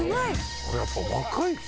これやっぱ若い人。